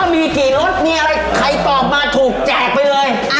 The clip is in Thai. มีกี่รถมีอะไรใครตอบมาถูกแจกไปเลย